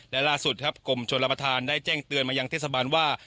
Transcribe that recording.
และล่าสุดครับกรมชนรับประทานได้แจ้งเตือนมายังเทศบาลว่า